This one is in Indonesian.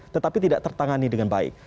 tetapi tidak tertangani dengan baik